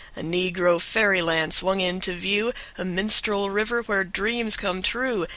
# A negro fairyland swung into view, A minstrel river Where dreams come true.